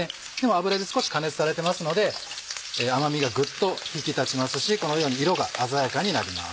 油で少し加熱されてますので甘みがグッと引き立ちますしこのように色が鮮やかになります。